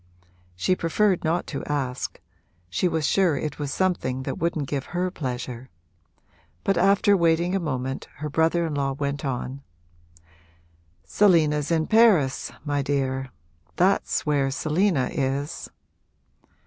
She preferred not to ask she was sure it was something that wouldn't give her pleasure; but after waiting a moment her brother in law went on: 'Selina's in Paris, my dear; that's where Selina is!'